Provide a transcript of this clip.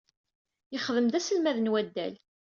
Yexeddem d aselmad n waddal.